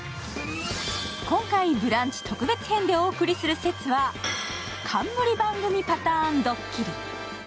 今回、「ブランチ特別編」でお送りする説は「冠番組パターンドッキリ」。